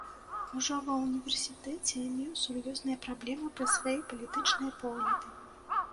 Ужо ва ўніверсітэце меў сур'ёзныя праблемы праз свае палітычныя погляды.